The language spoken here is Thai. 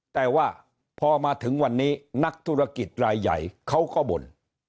แต่ว่าพอมาถึงวันนี้นักธุรกิจรายใหญ่เขาก็บ่น